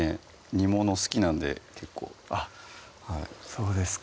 煮物好きなんで結構あっそうですか